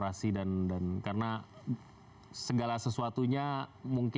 kami akan kembali sesaat lagi